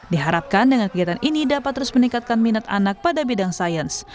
diharapkan dengan kegiatan ini dapat terus meningkatkan minat anak pada bidang sains